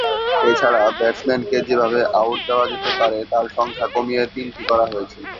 এ ছাড়া ব্যাটসম্যানকে যেভাবে আউট দেওয়া যেতে পারে তার সংখ্যা কমিয়ে তিনটি করা হয়েছে।